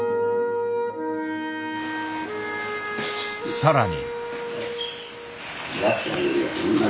さらに。